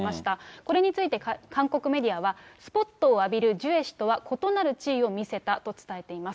これについては韓国メディアはスポットを浴びるジュエ氏とは異なる地位を見せたと伝えています。